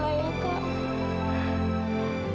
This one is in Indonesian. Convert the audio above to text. kami percaya sama kakak